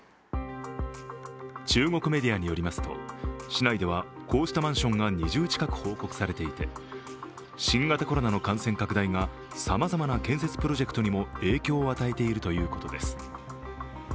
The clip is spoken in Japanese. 中国メディアによりますと市内では、こうしたマンションが２０近く報告されていて、新型コロナの感染拡大がさまざまな建設プロジェクトにも影響を与えているということです。